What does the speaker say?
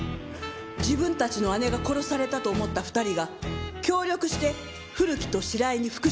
自分たちの姉が殺されたと思った２人が協力して古木と白井に復讐した。